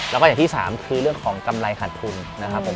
แล้วก็อย่างที่สามคือเรื่องของกำไรขาดทุนนะครับผม